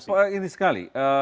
sangat ini sekali